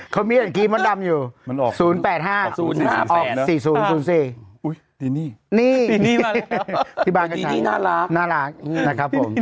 เขามีอันกรี๊มมันดำอยู่๐๘๕๔๐๐๔อุ๊ยดินี่ดินี่มาแล้วดินี่น่ารักน่ารักนะครับผม